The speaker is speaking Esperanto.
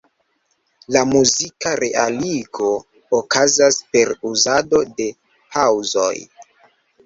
La muzika realigo okazas per uzado de paŭzoj.